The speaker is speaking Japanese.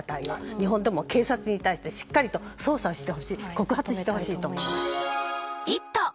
日本の警察もしっかりと捜査をしてほしい告発してほしいと思います。